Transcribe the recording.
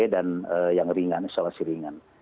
dan yang ringan isolasi ringan